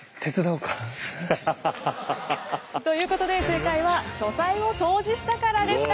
ハハハハハハ！ということで正解は「書斎を掃除したから」でした。